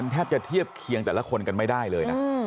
แทบจะเทียบเคียงแต่ละคนกันไม่ได้เลยนะ